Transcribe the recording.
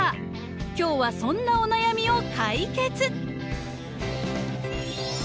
今日はそんなお悩みを解決！